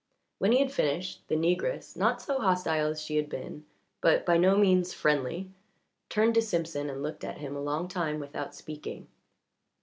When he had finished, the negress, not so hostile as she had been but by no means friendly, turned to Simpson and looked at him a long time without speaking.